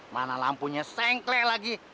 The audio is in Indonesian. mana lampunya sengkle lagi